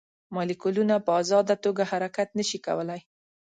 مالیکولونه په ازاده توګه حرکت نه شي کولی.